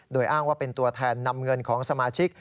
โดยอ้างว่าเป็นตัวแทนนำเงินของสมาชิก